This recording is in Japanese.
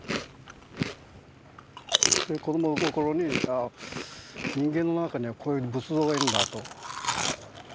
子供心に人間の中にはこういう仏像がいるんだとそう思った。